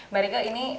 mbak rike ini